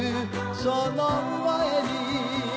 その前に」